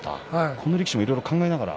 この力士もいろいろ考えながら。